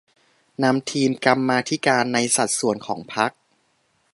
นำทีมกรรมาธิการในสัดส่วนของพรรค